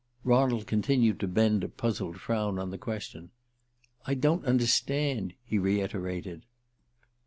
Ronald continued to bend a puzzled frown on the question. "I don't understand," he reiterated.